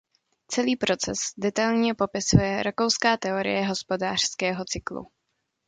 Celý proces detailně popisuje Rakouská teorie hospodářského cyklu.